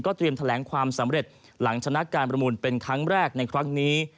เตรียมแถลงความสำเร็จหลังชนะการประมูลเป็นครั้งแรกในครั้งนี้